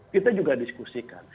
kita juga diskusikan